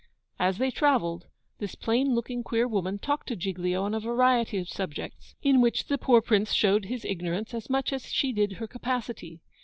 As they travelled, this plain looking, queer woman talked to Giglio on a variety of subjects, in which the poor Prince showed his ignorance as much as she did her capacity.